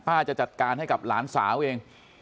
จะจัดการให้กับหลานสาวเอง